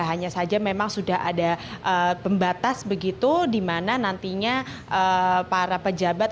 hanya saja memang sudah ada pembatas begitu di mana nantinya para pejabat